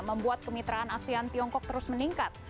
membuat kemitraan asean tiongkok terus meningkat